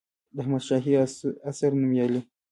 د احمدشاهي عصر نوميالي